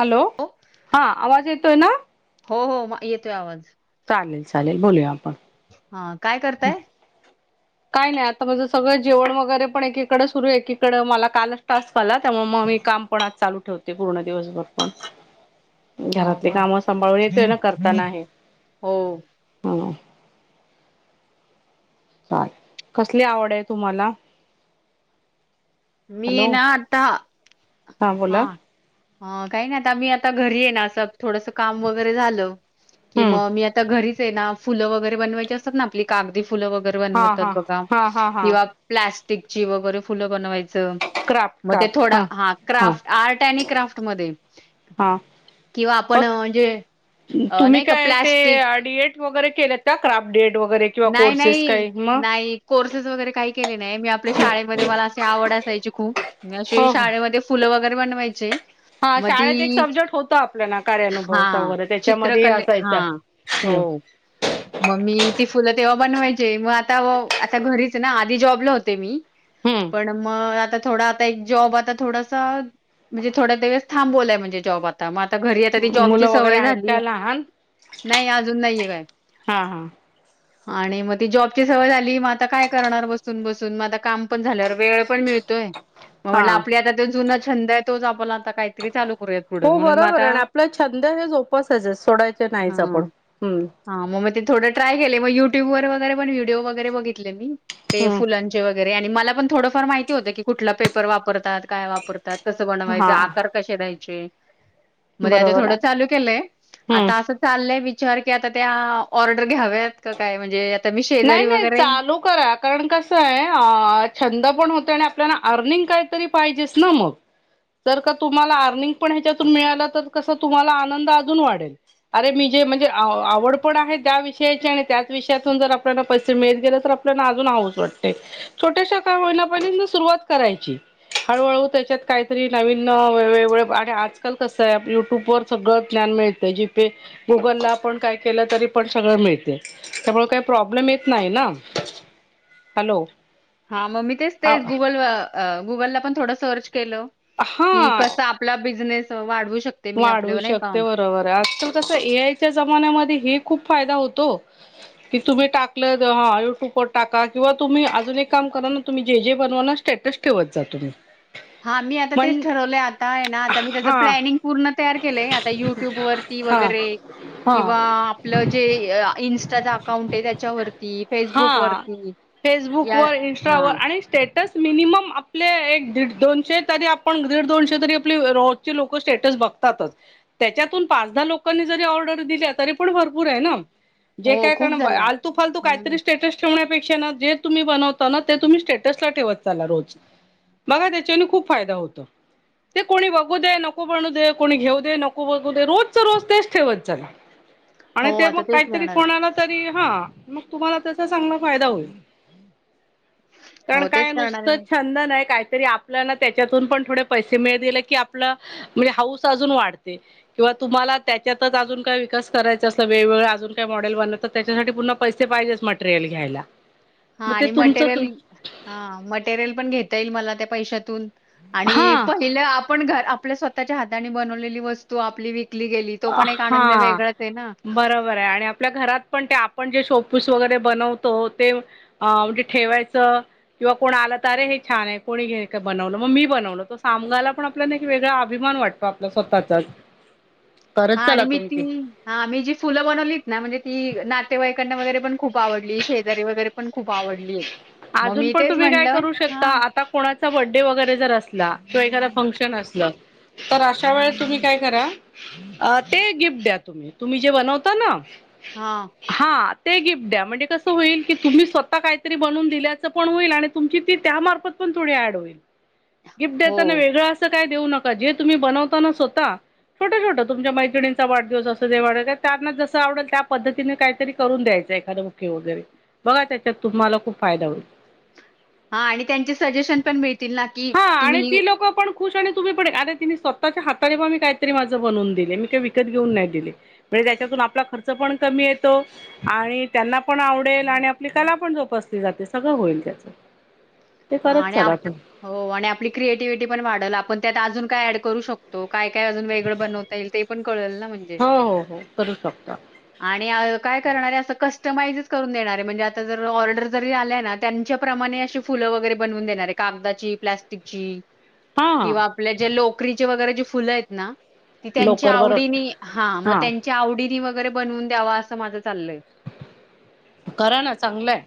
Hello हा आवाज येतोय ना हो हो येतोय आवाज चालेल चालेल बोलूया आपण हा काय करताय काय नाही आता म्हणझं सगळं जेवण वगैरे पण एकीकडे सुरू आहे एकीकडें मला कालच टास्क आला त्यामुळे मग मी काम पण आज चालू ठेवते पूर्ण दिवसभर पण [inaudible] हा घरातली का कामं सांभाळून येते ना करताना आहे हो ह काय कसली आवड आहे तुम्हाला? मी आहे हॅलो ना आता हा हा काही ना आता मी आता घरी आहे ना अस थोडस काम वैगरे झालं. की हम्म मग मी आता घरीच आहे ना फुलं वैगरे बनवायची असतात ना आपली कागदी फुलं वैगरे वर हा बनवतात हा बघा हा हा हा किंवा प्लास्टिकची वगैरे फुलं बनवायचं. क्राफ्ट मग ते क्राफ्ट थोडा हा क्राफ आर्ट आणि क्राफ्ट मध्ये. हा किंवा आपण मग म्हणजे अ नाही का प्लास्टिक डीएड वगैरे केलेत का क्राफ्ट डीएड वगैरे किंवा नाही, कोर्सेस नाही. काही मग? नाही कोर्सेस वगैरे काही केले नाही मी आपल्या शाळेमध्ये मला अशी आवड असायची खूप अशी हो हो शाळेमध्ये फुलं वगैरे बनवायचे हा म शाळेत एक ती सब्जेक्ट होता आपल्याला ना कार्यानुभवचा हा वगैरे त्याच्यामध्ये हे चित्रकले हा. असायचा. हम्म हो म मी ती फुलं तेव्हा बनवायची मग आता आता घरीच ना आधी जॉबल होते मी पण मग आता थोडा एक जॉब आता थोडासा म्हणजे थोड्या दिवस थांबलाय म्हणजे जॉब आता आ मग आता घरी आता ती हम्म जॉबची मुलं वगैरे सवय आहेत झाली का लहान नाही अजून नाहीये काय हा हा आणि मग ती जॉबची सवय झाली मग आता काय करणार बसून बसून मग आता काम पण झाल्या वेळ पण मिळतोय मग हा म्हणलं आपली आता जो जुना छंद आहे तोच आपल्याला आता काहीतरी चालू करूयात पुढं हो म्हणून मग बरोबर आता आहे ना आपला छंद हे झोपासयच सोडायचे हा नाहीच आपण हम्म हा मग मग ते थोडं ट्राय केले मग युट्यूब वगैरे पण व्हिडिओ वगैरे बघितले मी ते फुं हम्म गैरे आणि मला पण थोडंफार माहिती होतं की कुठला पेपर वापरतात काय वापरतात स बनवायच हा आकार कसे द्यायचे मध्ये आ बरोबर थोड आहे चालू केलंय हम्म. आता अस चाललंय विचार की आता त्या ऑर्डर घ्याव्यात का काय म्हणजे मी नाय शेजारी नाय वगैरे चालू करा कारण कसं आहे छंद पण होत आणि आपल्याला आर्लिंग काहीतरी पाहिजेच ना मग. जर का तुम्हाला आर्लिंग पण ह्याच्यातून मिळालं तर कस तुम्हाला आनंद अजून वाढेल. अरे मी जे म्हणजे आवड पण आहे त्या विषयाची आणि त्याच विषयातून जर आपल्याना पैसे मिळत गेले तर आपल्याला अजून हाऊस वाटते. छोट्याशा का होईना पण सुरुवात करायची. हळूहळू त्याच्यात काहीतरी नवीन वेगळ आणि आजकाल कसं आहे युट्युब वर सगळ प्लॅन मिळतय जी गुगलला आपण काय केलं तरी पण सगळं मिळते त्यामुळे काय मिळत नाही ना हॅलो हा मग मी तेच तेच गुगल गुगलला पण थोड सर्च केलं की हा कसं आपला बिझनेस वाढवू शक वाढवू शकते बरोबर आहे आजकाल कस ए आय च्या जमान्यामध्ये हे खूप फायदा होतो. कि तुम्ही टाकलं ह युट्युब वर टाका किंवा तुम्ही अजून एक काम करा ना तुम्ही जे जे बनवा ना स्टॅटस ठेवत जा तुम्ही. हा मी आता तेच पण ठरवलंय आता आहे ना आता मी त्याचं हा प्लॅनिंग पूर्ण तयार केलंय आता युट्यूब वरती हा वगैरे. हा किंवा आपलं जे इन्स्टाच अकाउंट आहे त्याच्यावरती फेसबुक वरती. फेसबुक व इन्स्टा व मिनिमम आपले एक दीड दोनशे तरी आपण दीड दोनशे तरी आपली रोजची लोक स्टेटस बघतातच त्याच्यातून पाच दहा लोकांनी जरी ऑर्डर दिल्या तरी पण भरपूर आहे ना. जे हो, काय खूप कारण झाल्या. आलतू फालतू काही हं. तरी स्टेटस ठेवण्यापेक्षा जे तुम्ही बनवता ना ते तुम्ही स्टेटस ला ठेवत चाला रोज. बघा त्याच्याने खूप फायदा होतो ते कोणी बघू दे नको बनू दे कोणी घेऊ दे नको बघू दे रोज च रोज तेच ठेवत चला. आणि हो, ते आता मग तेच काहीतरी करणार आहे. कोणाला तरी हा मग तुम्हाला त्याचा चांगला फायदा होईल. पण हो, काय तेच करणार आहे नुसतं मी. छंद नाही काहीतरी आप आपल्या त्याच्यातून पण थोडे पैसे मिळले की आपलं म्हणजे हाऊस अजून वाढते किंवा तुम्हाला त्याच्यातच अजून काय विकास करायचा असला वेगवेगळं अजून काय मॉडेल बनत तर त्याच्यासाठी पुन्हा पैसे पाहिजेच मटेरियल घ्यायला [inaudible] हा मग ते आणि तुमचं मटेरियल तुम हा मटेरियल पण घेता येईल मला त्या पैशातून आणि हा पहिलं आपण घर आपल्या स्वतःच्या हाताने बनवलेली वस्तू आपली विकली गेली तो पण एक आनंद हा. वेगळाच आहे ना बरोबर आहे आणि आपल्या घरात पण ते आपण जे शोपीस वगैरे बनवतो ते अ म्हणजे ठेवायचं किंवा कोण आलं तर अरे हे छान आहे कोणी घे का बनवलं मग मी बनवलंो सामगायला पण आपल्याला एक वेगळा अभिमान वाटत आपल्या स्वतःच्याच हा आणि मी ती हा आम्ही जी फुलं बनवलीत ना म्हणजे ती नातेवाईकांना वगैरे पण खूप आवडली शेजारी वगैरे पण खूप आवडली मग अजून मी पण तेच तुम्ही काय म्हटलं करू शकता ह आता कोणाचा बर्डे वगैरे जर असला किंवा एखादा फंक्शन असलं तर अशा वेळेस तुम्ही काय करा, अ ते गिफ्ट द्या तुम्ही, तुम्ही जे बनवता ना हा. हा, ते गिफ्ट द्या, म्हणजे कसं होईल की, तुम्ही स्वतः काहीतरी बनवून दिल्याचं पण होईल, आणि तुमची ती त्या मार्फत पण थोडी ऍड होईल. गिफ्ट हो. देताना वेगळं असं काय देऊ नका, जे तुम्ही बनवताना स्वता छोटं छोटं तुमच्या मैत्रिणीचा वाढदिवस असूदे, जे वाढत त्यांना जसं आवडेल त्या पद्धतीने काहीतरी करून द्यायचं. बुके, वगैरे बघा त्याच्यात तुम्हाला खूप फायदा होईल. हा आणि त्यांचे सजेशन पण मिळतील ना, की हा आणि तुम्ही ती लोक पण खुश आणि तुम्ही पप अग तीने स्वतःच्या हाताने बा मी काहीतरी माझं बनवून दिले, मी काही विकत घेऊन नाही दिले. म्हणजे त्याच्यातून आपला खर्च पण कमी येतो, आणि त्यांना पण आवडेल, आणि आपली कला पण जोपासली जाते, सगळं होईल त्याच. हा, आणि हो आणि आपली क्रिएटिव्हिटी पण वाढल, आपण त्यात अजून काय ऍड करू शक तो, काय काय अजून वेगळं बनवता येईल, ते पण कळेल ना म्हणजे. हो हो हो करू शकता. आणि काय करणारे, असं कस्टमाइजच करून देणारे, म्हणजे आता जर ऑर्डर जरी आल्या ना, त्यांच्या प्रमाणे अ फुलं वगैरे बनवून देणारे, कागदाची, प्लस्टिकची हा हा, किंवा आपले जे, लोकरीचे वगैरे जे फुलंयेत ना, ती त्यांच्या लोकर बरोबर आवडीनी हां मग हा त्यांन च्या आवडीने वगैरे, बनवून द्यावा, असं माझं चालय. करा ना चांगलंय.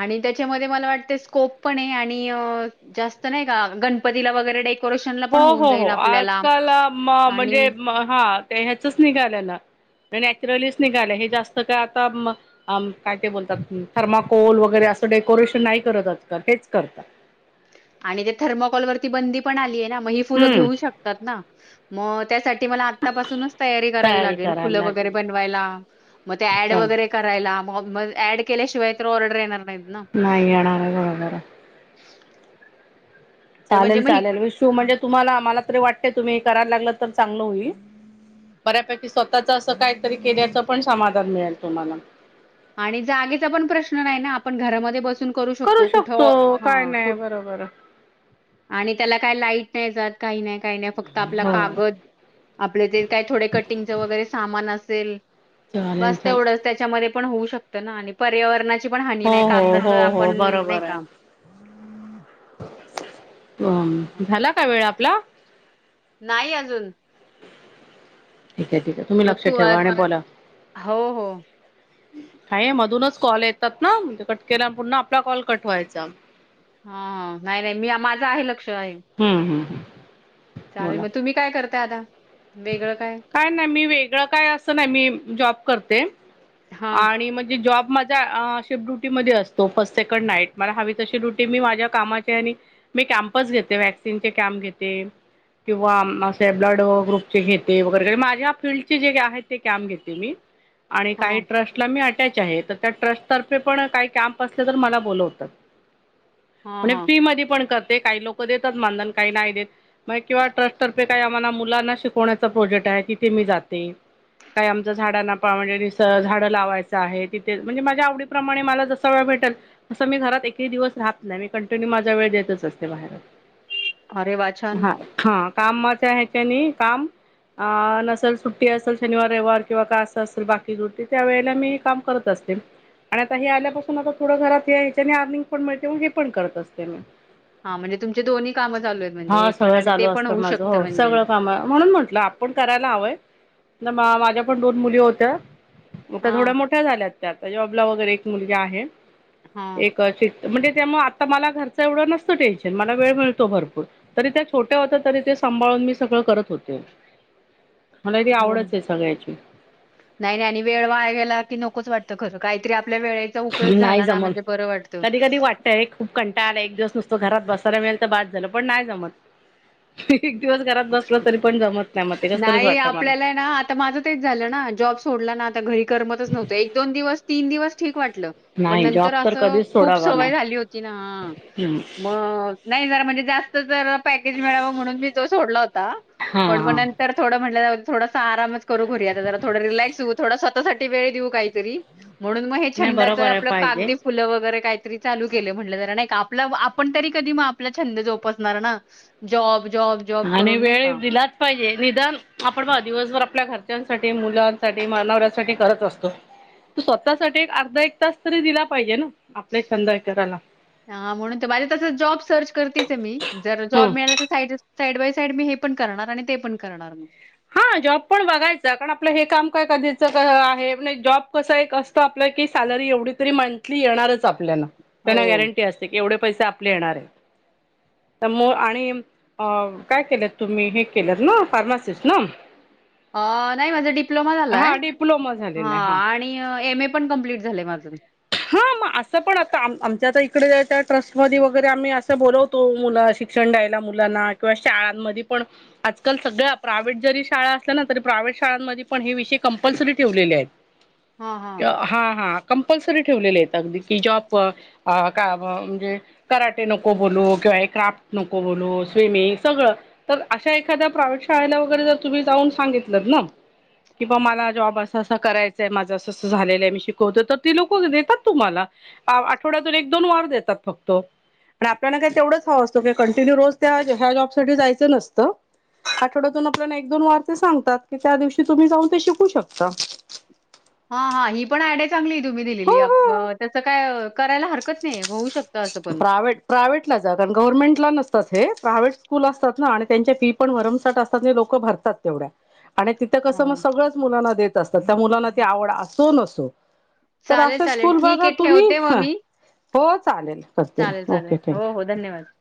आणि त्याच्यामध्ये मला वाटतं स्कोप पणे, आणि जास्त नाही का गणपतीला वगैरे डेको हो हो हो, आजकाल आणि म्हणजे, हा ते ह्याचच निघालेल. नॅचरलीच निघाल, हे जास्त काय आता, आम काय ते बोलतात थर्माकोल वगैरे, असं डेकोरेशन नाही करतात आता, हेच करतात. आणि ते थर्माकॉल वरती बंदी पण आलीय ना, म ही फुलं हम्म घेऊ शकतात ना, म त्यासाठी मला आतापासून तयारी करावी लागेल, फुल करायला वगरे लागेल. बनवाला, मग ते ऑड वगैरे करायला मग म ऍड केल्याशिवाय तर ऑर्डर येणार नाहीत ना. नाही जाणार गळाबर [unintelligible] तर म्हणजे चालेल मग चालेल, विशू ह म्हणजे तुम्हाला मला तरी वाटते तुम्ही करायला लागल तर चांगलं होईल. बऱ्यापैकी स्वतःच असं काहीतरी केल्याच पण, समाधान मिळेल तुम्हाला. आणि जागेचा पण प्रश्न नाही ना, आपण घरामध्ये बसून करू शकतो, कुठं हा कुठ बर. आणि त्याला काय लाईट नाही जात, काही नाही काही नाही फक्त आपला हो कागद, आपले ते काय थोडे कटिंगच वगैरे सामान असेल, चालेल बस चालेल. तेवढंच, त्याच्यामध्ये पण होऊ शकत ना, आणि पर्यावरणाची पण हानी हो नाही, हो हो कागदाचं आपण हो नाही बरोबर आहे. का. झाला का वेळ आपला. नाही अजून. ठीके, ठीके, तुम्ही मग लक्ष तू अ, ठेवा आणि बोला. हो हो काये मधूनच कॉल येतात ना, म्हणजे कट केल्या पुन्हा आपला कॉल कटव्हायचा. हा नाही नाही मी माझं आहे, लक्ष आहे. हम्म हम्म हम्म. चालेल बोला. मग तुम्ही काय करताय आता, वेगळं काय. काय नाही मी वेगळं काय असं नाही, मी जॉब करते, हां आणि म्हणजे जॉब मा शिपडुटी मध्ये असतो, फर्स्ट, सेकंड, नाईट मला हवी तशी डुटी मी माझ्या कामाची आणि मी कॅम्पच घेते, वॅक्सिनचे कॅम्प घेते, किंवा असे ब्लड ग्रुप चे घेते वगैरे, माझ्या फीलल्डचे जे आहेत ते कॅम्प घेते मी, आणि काही हां ट्रस्ट मी अटॅच आहे तर त्या ट्रस्ट तर्फे पण काय कॅम्प असले तर मला बोलवतात. हां म्हणजे हां फ्री मध्ये पण कर काही लोक देतात मानधन, काही नाही देत, मग किंवा ट्रस्टर्फे काही आम्हाला मुलांना शीक कोणाचा प्रोजेक्ट आहे, तिथे मी जाते. काही आमच झाडांना म्हणजे, झाडं लावायचं आहे तिथे, म्हणजे माझ्या आवडीप्रमाणे मला जसा वेळ भेटेल. असं मी घरात एकही दिवस राह नाही मी कंटिन्यू माझा वेळ देतच असते बाहेर ह हा हा कामाच ह क नाही काम अ नसेल सुट्टी असेल शनिवार रविवार किंवा का असं असेल बाकी सुट्टी त्या वेळेला मी काम करत असते आणि आता हे आल्यापासून आता थोडं घरात या या्याच्याने अर्निंग पण मिळते मग हे पण करत असते मी हां, म्हणजे तुमचे दोन्ही कामं चालू आहेत म्हणजे हा हे पण सगळं आणि चालू ते पण असतं होऊ माझं शकतं हो म्हणजे सगळं काम म्हणून म्ह आपण करायला हवंय माझ्या पण दोन मुली होत्याग त्या हां थोड्या मोठ्या झा त्या जॉबला वगैरे एक मुलगी आहे हां एक म्हणजे त्यामु आता मला घरचं एवढं नसतं टेन्शन मला वेळ मिळतो भरपूर तरी त्या छोट्या होत्या तरी ते सांभाळून मी सगळं करत होते मला ती हो आवडच आहे सगळ्याची नाही नाही आणि वेळ वाळगेयला की नकोच वाटतं खरं काहीतरी आपल्या वेळे उपयोग झाला ना म्हणजे बरं वाटतं त्यारी खूप कंटा आला एक दिवस नुसतो घरात बसायला मिळेल तर बाद झालं पण नाही जमत एक दिवस घरात बसला तरी पण जमत नाही म ते कस तरीच वाटत मला आ माझं तेच झालं ना जॉब सोडला ना आता घरी करमतच नव्हतं एक दोन दिवस तीन दिवस ठीक वाटलं पण नाही जॉब नंतर तर असं कधीच खूप सोडावा नाही. सवय झाली होती ना हम्म. मग नाही जरा म्हणजे जास्त तर पॅकेज मिळावं म्हणून मीो डला होता हा पड हा. नंतर थोडं म्हण थोडा आरामच करू घरी आता ज थोड रिलॅक्स होऊ थोडा स्वःसाठी वेळ देऊ काहीतरी म्हणून मग हे नाही छंदाच बरोबर आहे आपलं पाहिजे कागदी फुलं वगैरे काहीतरी चालू केले म्हटलं जरा नाही आपला आपण तरी कधी मग आपला छंद जोपासणार ना जॉब जॉबॉ आणि वेळ दिलाच पाहिजे निदान आपण ब दिवसभर आपल्या घरच्यांसाठी मुलांसाठी मानावऱ्यासाठी करत असतो तू स्वतःसाठी अर्धा एक तास तरी दिला पाहिजे ना आपल्या छंद कराला हा म्हणून माझ्या तसं जॉब सर्च करतेच आहे मी जर जॉब हम्म मिळाला तर साईड साईड बाय साईड मी हे पण करणार आणि ते पण करणार मग हा जॉब पण बघायच कारण आपलं हे काम काय कधीच आहे म्हणे जॉब कसं एक अस सलरीवी त मंली येणारच आपल्याना हो. गॅरंटी अस एवढे पैसे आपले येणार आहे तर मग आणि काय केलं तुम्ही हे केलं ना फार्मासी शष ना अ नाही माझा डिप्लोमा झालाय हा डिप्लोमा ह झालेला आहे हा आणि एम ए पण कंप्लीट झा माजून हा मग असं पण आता आमच्या आता इकडे त्या ट्रस्ट म वगैरे आम्ही असं बोलवतो मुलं शिक्षण द्यायला मुलांना किंवा शाळांमध्ये पण आजकाल सगळ्या प्राय्हेट जरी शाळा असल्या ना तरी प्रय्हेट शाळांमध्ये पण हे विषय कंपल्सरी ठेवलेले आहेत [inaudible] हा हा कंपल्सरी ठेवलेले आहेत अगदी कि जॉब अ का म्हणजे कराटे नको बोलू किंवा हे क्राफ्ट नको बोलू स्विमिंग सगळं तर अशा एखाद्या प्रावेशाळेला वगैरे जर तुम्ही जाऊन सांगितलं ना किंवा मला जॉब असं असं करायचंय माझं असं असं झालेलं आहे मी शिकवतो तर ते लोक देतात तुम्हाला आठवड्यातून एक दोन वार देतात फक्त पण आपल्याला काय तेवढंच हवं असतं की कंटिन्यू रोज त्या ह्या जॉब साठी जायचं नसतं आठवड्यातून आपल्याला एक दोन वार ते सांगतात की त्या दिवशी तुम्ही जाऊन ते शिकू शकता हा हा ही पण आयडिया चांगली तुम्ही हो दिलेली हो त्याचं काय करायला हरकत नाही होऊ शकत प्रायवेट प्रायव्हेटला जा कारण गव्हर्में ला नसतात हे प्रायव्हेट स्कूल असतात ना आणि त्यांची फी पण भरमसाट असतात लोकं भरतात ात तेवढ्या आणि तिथं कसं मग हां. सगळंच मुलांना देत असतात त्या मुलांना ती आवड असो नसो तर चालेल, अशा स् चालेल. पूल ठीक बघा आहे तुम्ही ठेवते मग ह मी. हो चालेल करते चालेल ओके चालेल थँक्यू हो हो धन्यवाद